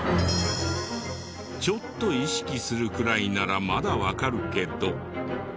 ちょっと意識するくらいならまだわかるけど。